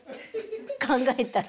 考えたら。